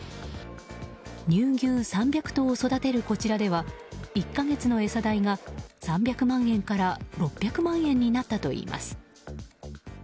乳牛３００頭を育てるこちらでは１か月の餌代が３００万円から６００万円になったといいます。